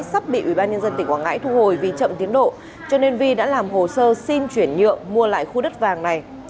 sắp bị ubnd tỉnh quảng ngãi thu hồi vì chậm tiến độ cho nên vi đã làm hồ sơ xin chuyển nhượng mua lại khu đất vàng này